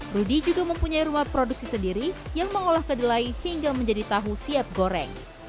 rudy juga mempunyai rumah produksi sendiri yang mengolah kedelai hingga menjadi tahu siap goreng